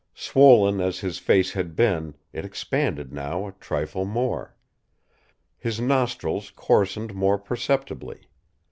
Swollen as his face had been, it expanded now a trifle more. His nostrils coarsened more perceptibly.